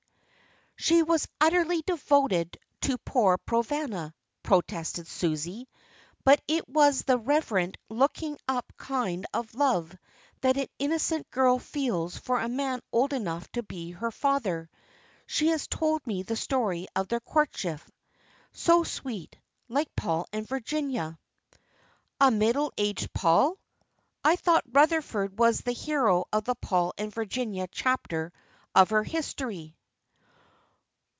"She was utterly devoted to poor Provana," protested Susie, "but it was the reverent looking up kind of love that an innocent girl feels for a man old enough to be her father. She has told me the story of their courtship so sweet like Paul and Virginia." "A middle aged Paul! I thought Rutherford was the hero of the Paul and Virginia chapter of her history."